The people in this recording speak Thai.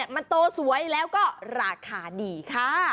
มันโตสวยแล้วก็ราคาดีค่ะ